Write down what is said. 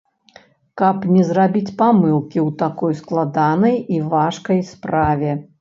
Каб не зрабіць памылкі ў такой складанай і важкай справе.